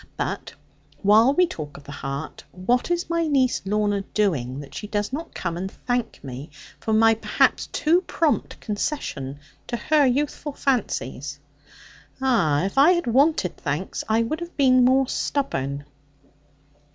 But while we talk of the heart, what is my niece Lorna doing, that she does not come and thank me, for my perhaps too prompt concession to her youthful fancies? Ah, if I had wanted thanks, I should have been more stubborn.'